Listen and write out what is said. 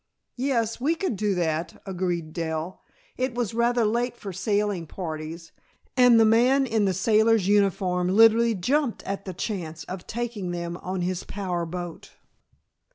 "Yes, we could do that," agreed Dell. It was rather late for sailing parties, and the man in the sailor's uniform literally jumped at the chance of taking them on his power boat.